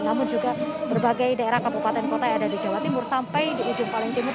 namun juga berbagai daerah kabupaten kota yang ada di jawa timur sampai di ujung paling timur